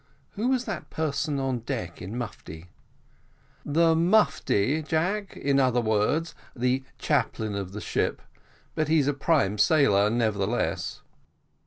Who was that person on deck in mufti?" "The mufti, Jack? in other words, the chaplain of the ship; but he's a prime sailor, nevertheless."